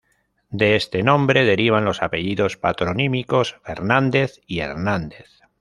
De este nombre derivan los apellidos patronímicos Fernández y Hernández.